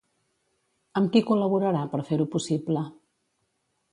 Amb qui col·laborarà per fer-ho possible?